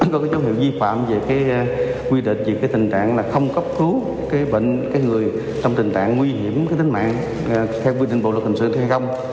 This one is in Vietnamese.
có cái dấu hiệu vi phạm về cái quy định về cái tình trạng là không cấp cứu cái người trong tình trạng nguy hiểm cái tính mạng theo quy định bộ luật hình sự hay không